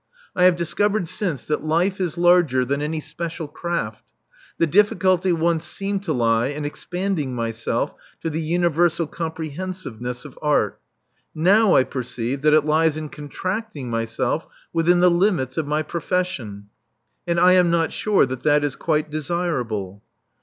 I have discovered since that life is larger than any special craft. The difficulty once seemed to lie in expanding myself to the universal comprehensiveness of art: now I per ceive that it lies in contracting myself within the limits of my profession; and I am not sure that that is quite desirable."